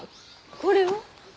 これは？